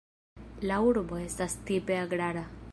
La urbo estas tipe agrara.